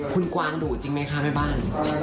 คุณกวางดุจริงไหมคะแม่บ้าน